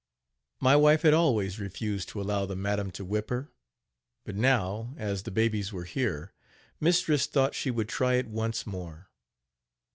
My wife had always refused to allow the madam to whip her; but now, as the babies were here, mistress thought she would try it once more.